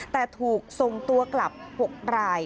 แต่ถูกส่งตัวกลับ๖ราย